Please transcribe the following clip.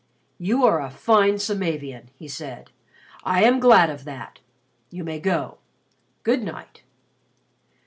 "You are a fine Samavian," he said. "I am glad of that. You may go. Good night."